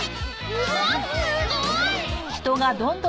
うわっすごーい！